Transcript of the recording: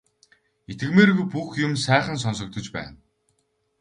Итгэмээргүй бүх юм сайхан сонсогдож байна.